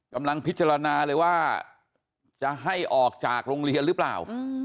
กำลังพิจารณาเลยว่าจะให้ออกจากโรงเรียนหรือเปล่า